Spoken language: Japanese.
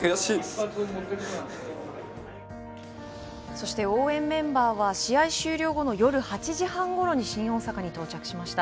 そして応援メンバーは試合終了後の夜８時半ごろに新大阪に到着しました。